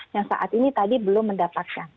yang saat ini tadi belum mendapatkan